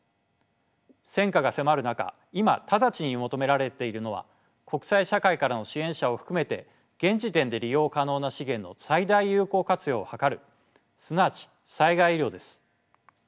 戦火が迫る中今直ちに求められているのは国際社会からの支援者を含めて現時点で利用可能な資源の最大有効活用を図るすなわち災害医療です。